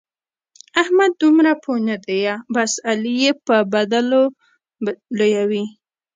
احمد دومره پوه نه دی؛ بس علي يې به بدلو لويوي.